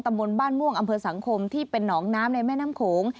มนต์บ้านม่วงอำเภอสังคมที่เป็นหนองน้ำในแม่น้ำโขง